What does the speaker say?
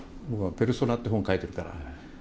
僕も「ペルソナ」っていう本を書いているから。